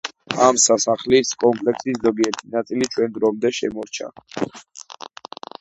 ამ სასახლის კომპლექსის ზოგიერთი ნაწილი ჩვენ დრომდე შემორჩა.